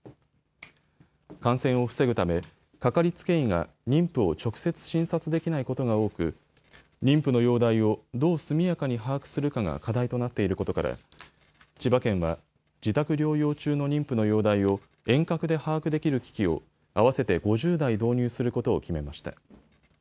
感染を防ぐためかかりつけ医が妊婦を直接診察できないことが多く妊婦の容体をどう速やかに把握するかが課題となっていることから千葉県は自宅療養中の妊婦の容体を遠隔で把握できる機器を合わせて５０台導入することを決めました。